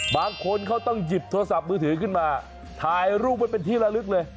บางคนเขาต้องหยิบโทรศัพท์มือถือขึ้นมาถ่ายรูปไว้เป็นที่ละลึกเลย